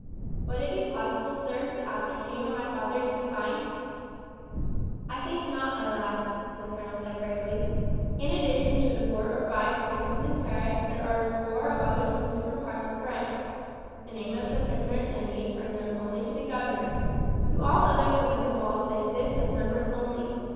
"Would it be possible, sir, to ascertain where my father is confined?" "I think not, my lad," the colonel said gravely. "In addition to the four or five prisons in Paris there are a score of others in different parts of France. The names of the prisoners in each are known only to the governors; to all others within the walls they exist as numbers only.